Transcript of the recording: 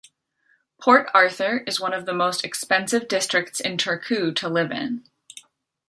Port Arthur is one of the most expensive districts in Turku to live in.